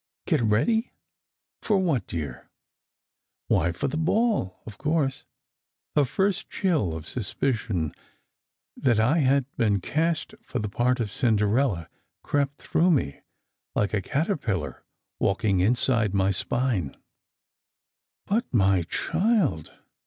" Get ready? For what, dear? " "Why, for the ball, of course!" The first chill of suspicion that I had been cast for the part of Cinderella crept through me, like a caterpillar walking inside my spine. "But, my child!"